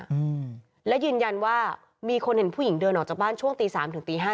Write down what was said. อืมและยืนยันว่ามีคนเห็นผู้หญิงเดินออกจากบ้านช่วงตีสามถึงตีห้า